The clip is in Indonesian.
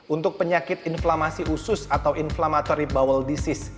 untuk penyakit inflamasi usus atau inflammatory bowel disease